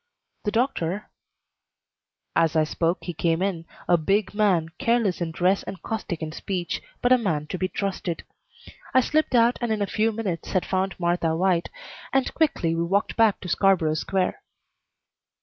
The doctor " As I spoke he came in, a big man, careless in dress and caustic in speech, but a man to be trusted. I slipped out and in a few minutes had found Martha White, and quickly we walked back to Scarborough Square.